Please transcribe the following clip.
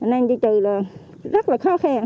nên chứ trừ là rất là khó khen